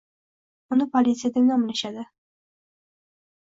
Uni politsiya deb nomlashadi.